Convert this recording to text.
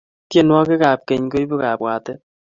tienwokik ap keny koibu kapwatet